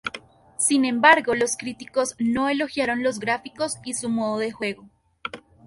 Sin embargo los críticos, no elogiaron los gráficos y su modo de juego.